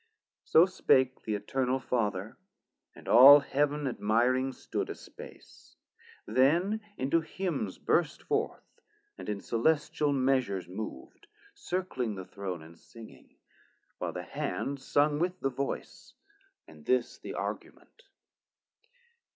So spake the Eternal Father, and all Heaven Admiring stood a space, then into Hymns Burst forth, and in Celestial measures mov'd, 170 Circling the Throne and Singing, while the hand Sung with the voice, and this the argument.